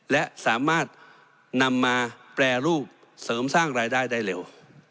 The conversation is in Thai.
และสามารถนำมาแปรรูปเสริมสร้างรายได้ได้เร็ว